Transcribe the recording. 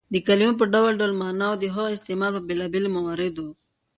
د کلیمو په ډول ډول ماناوو او د هغو د استعمال په بېلابيلو مواردو